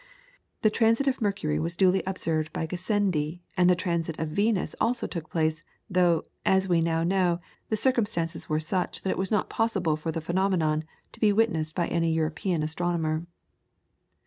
The transit of Mercury was duly observed by Gassendi, and the transit of Venus also took place, though, as we now know, the circumstances were such that it was not possible for the phenomenon to be witnessed by any European astronomer.